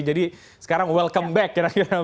jadi sekarang welcome back